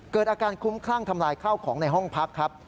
เกิดอาการคุ้มคลั่งทำลายข้าวของในห้องพักครับ